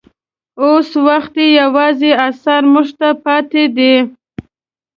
اوس وخت یې یوازې اثار موږ ته پاتې دي.